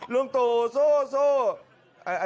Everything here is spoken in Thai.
ลุงต่อสู้สู้